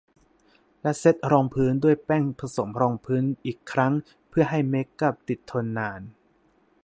และเซตรองพื้นด้วยแป้งผสมรองพื้นอีกครั้งเพื่อให้เมคอัพติดทนนาน